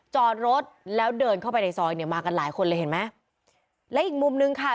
จอดรถแล้วเดินเข้าไปในซอยเนี่ยมากันหลายคนเลยเห็นไหมและอีกมุมนึงค่ะ